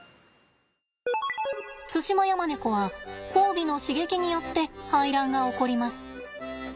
ツシマヤマネコは交尾の刺激によって排卵が起こります。